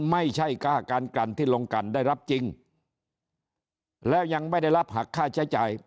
ไม่ใช่ค่าการกรรมที่โรงกรรมได้รับจริงแล้วยังไม่ได้รับหักค่าใช้จ่าย